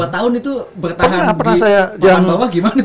dua tahun itu bertahan di jalan bawah gimana